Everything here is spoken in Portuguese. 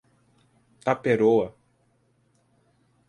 Taperoá